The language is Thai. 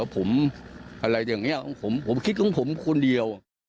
ผมว่าไม่ดี